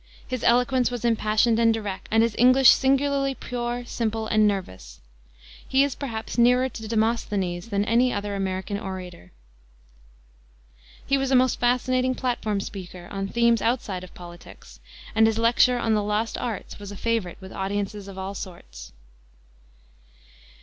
His eloquence was impassioned and direct, and his English singularly pure, simple, and nervous. He is perhaps nearer to Demosthenes than any other American orator. He was a most fascinating platform speaker on themes outside of politics, and his lecture on the Lost Arts was a favorite with audiences of all sorts.